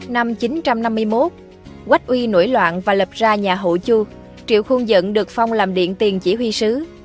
năm chín trăm năm mươi một quách uy nổi loạn và lập ra nhà hậu chu triệu khuôn dẫn được phong làm điện tiền chỉ huy sứ